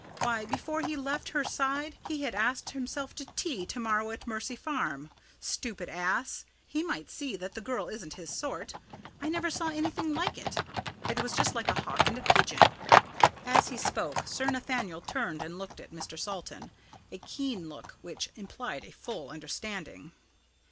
Why, before he left her side, he had asked himself to tea to morrow at Mercy Farm. Stupid ass! He might see that the girl isn't his sort! I never saw anything like it. It was just like a hawk and a pigeon." As he spoke, Sir Nathaniel turned and looked at Mr. Salton a keen look which implied a full understanding.